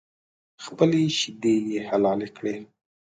خپلې شیدې یې حلالې کړې